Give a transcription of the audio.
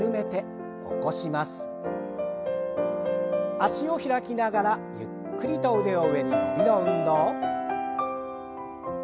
脚を開きながらゆっくりと腕を上に伸びの運動。